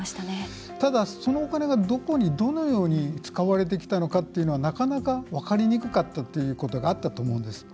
ただ、そのお金がどこにどのように使われてきたのかはなかなか分かりにくかったということがあったと思うんです。